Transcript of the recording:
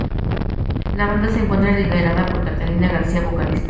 La banda se encuentra liderada por Catalina García, vocalista.